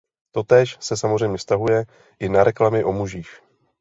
Totéž se samozřejmě vztahuje i na reklamy o mužích.